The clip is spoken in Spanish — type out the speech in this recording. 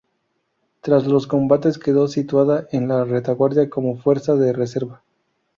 Tras los combates quedó situada en la retaguardia como fuerza de reserva.